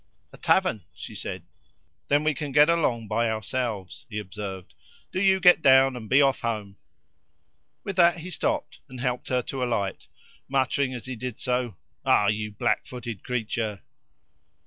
"A tavern," she said. "Then we can get along by ourselves," he observed. "Do you get down, and be off home." With that he stopped, and helped her to alight muttering as he did so: "Ah, you blackfooted creature!"